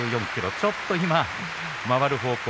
ちょっと今、回る方向